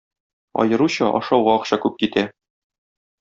Аеруча ашауга акча күп китә.